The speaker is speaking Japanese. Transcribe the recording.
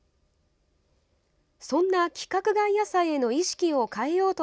そんな規格外野菜への意識を変えようと